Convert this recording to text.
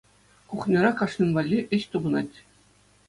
Кухньӑра кашнин валли ӗҫ тупӑнать.